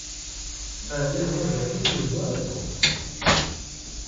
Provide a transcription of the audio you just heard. Ɛni d baba-k i tt-yeẓẓan?